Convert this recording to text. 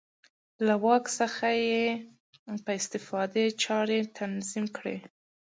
له واک څخه یې په استفادې چارې تنظیم کړې.